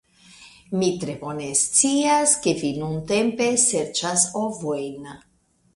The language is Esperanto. Mi tre bone scias ke vi nuntempe serĉas ovojn.